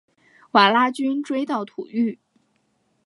瓦剌军追到土域。